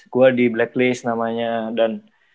gue di blacklist namanya dan